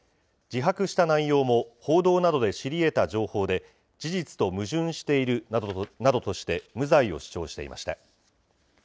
自白した内容も報道などで知り得た情報で、事実と矛盾しているなどとして、無罪を主張していました。